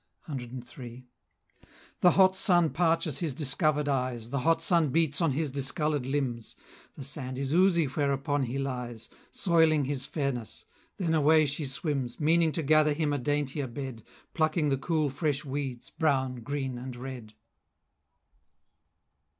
CIII. The hot sun parches his discover'd eyes, The hot sun beats on his discolor'd limbs, The sand is oozy whereupon he lies, Soiling his fairness; then away she swims, Meaning to gather him a daintier bed, Plucking the cool fresh weeds, brown, green, and red.